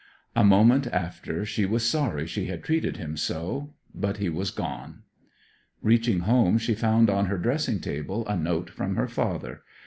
A moment after she was sorry she had treated him so; but he was gone. Reaching home she found on her dressing table a note from her father.